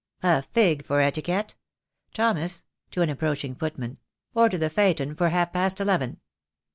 "A fig for etiquette. Thomas," to an approaching footman, "order the phaeton for half past eleven."